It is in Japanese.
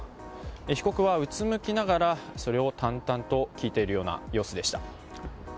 被告はうつむきながらそれを淡々と聞いているような様子でいた。